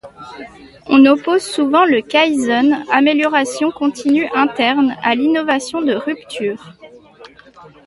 On oppose souvent le kaizen, amélioration continue interne, à l'innovation de rupture.